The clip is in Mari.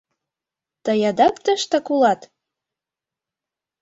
Тый адак тыштак улат?..